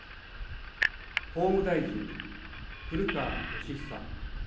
法務大臣、古川禎久。